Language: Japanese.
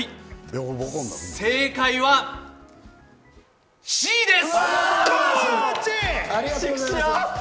正解はＣです！